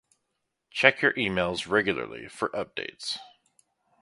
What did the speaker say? Check your emails regularly for updates